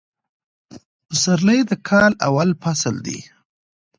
فسرلي د کال اول فصل دي